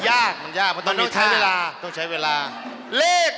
หยิบตาหยิบเสมอ